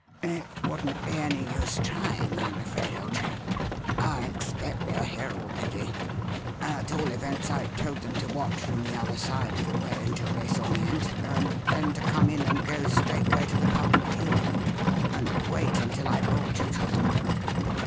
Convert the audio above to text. "It wouldn't be any use trying, I'm afraid, old chap; I expect they are here already. At all events, I told them to watch from the other side of the way until they saw me enter, and then to come in and go straightway to the public tearoom and wait until I brought you to them."